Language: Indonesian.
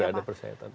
sudah ada persyaratan